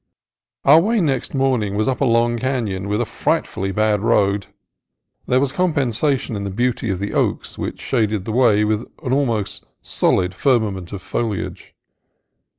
Our way next morning was up a long canon with a frightfully bad road. There was compensation in the beauty of the oaks, which shaded the way with an almost solid firmament of foliage.